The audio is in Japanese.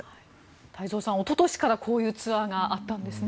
太蔵さん、おととしからこういうツアーがあったんですね。